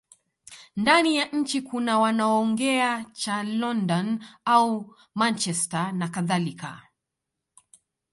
Ndani ya nchi kuna wanaoongea cha London au Manchester nakadhalika